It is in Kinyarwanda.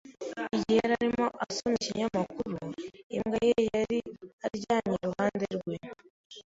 Igihe yarimo asoma ikinyamakuru, imbwa ye yari aryamye iruhande rwe.